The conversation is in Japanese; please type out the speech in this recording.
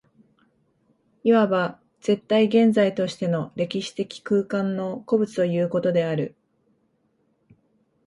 いわば絶対現在としての歴史的空間の個物ということである。